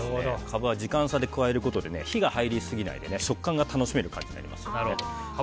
カブは時間差で加えることで火が入りすぎずに食感が楽しめるようになります。